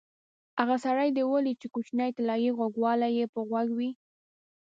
هغه سړی دې ولید چې کوچنۍ طلایي غوږوالۍ یې په غوږ وې؟